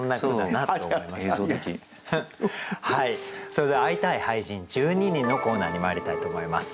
それでは「会いたい俳人、１２人」のコーナーにまいりたいと思います。